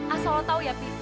asal lu tau ya pi